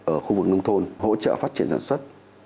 ở khu vực nông thôn hỗ trợ phát triển sản xuất